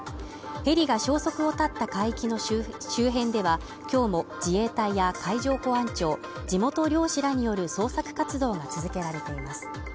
ヘリが消息を絶った海域の周辺では今日も自衛隊や海上保安庁地元漁師らによる捜索活動が続けられています。